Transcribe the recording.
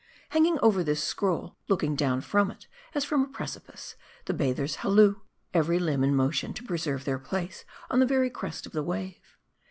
Hanging over this scroll, looking down from it as from a precipice, the bathers halloo ; every limb in motion to preserve their place on the very crest of the wave.